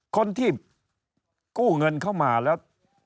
คนที่กู้เงินเข้ามาแล้ว